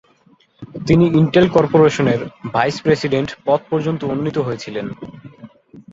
তিনি ইন্টেল কর্পোরেশনের vice president পদ পর্যন্ত উন্নীত হয়েছিলেন।